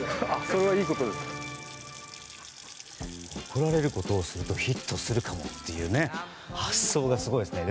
怒られることをするとヒットするかもという発想がすごいですね。